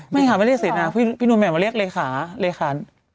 ไม่ค่ะไม่เรียกเสนาพี่หนูแหม่มเขาเรียกเลขา